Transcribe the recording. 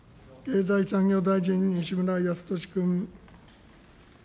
経済産業大臣、西村康稔君。